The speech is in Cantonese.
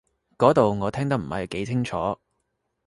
嗰度我聽得唔係幾清楚